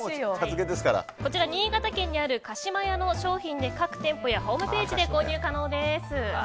こちら新潟県にある加島屋の商品で各店舗やホームページで購入可能です。